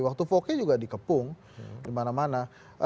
waktu foke juga dikepung di mana mana